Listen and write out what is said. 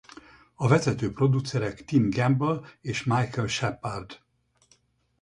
A vezető producerek Tim Gamble és Michael Shepard.